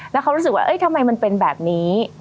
แล้วเขารู้สึกว่าทำไมมันเป็นแบบนี้